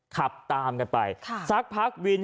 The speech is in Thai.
ขับตามกันไปสักพักวิน